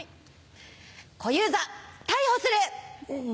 小遊三逮捕する！